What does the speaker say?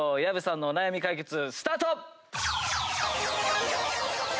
薮さんのお悩み解決スタート！